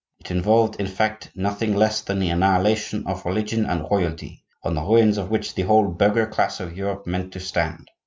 It involved, in fact, nothing less than the annihilation of religion and royalty, on the ruins of which the whole burgher class of Europe meant to stand.